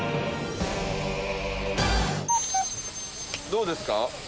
どうですか？